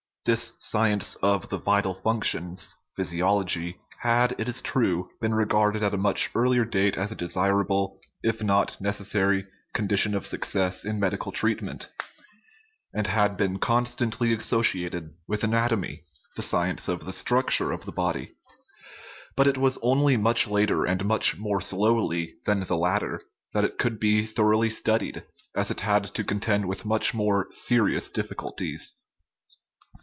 This " science of the vital functions/' physiology, had, it is true, been regarded at a much earlier date as a de sirable, if not a necessary, condition of success in medi cal treatment, and had been constantly associated with anatomy, the science of the structure of the body. But it was only much later, and much more slowly, than the latter that it could be thoroughly studied, as it had to contend with much more serious difficulties.